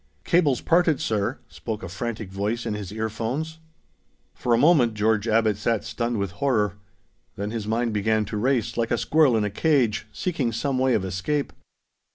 "Cable's parted, sir!" spoke a frantic voice in his ear phones. For a moment George Abbot sat stunned with horror. Then his mind began to race, like a squirrel in a cage, seeking some way of escape.